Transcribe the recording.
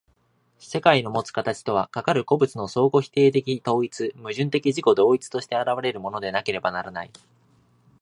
世界のもつ形とは、かかる個物の相互否定的統一、矛盾的自己同一として現れるものでなければならない。